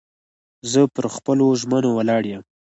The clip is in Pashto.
زه پر خپلو ژمنو ولاړ یم.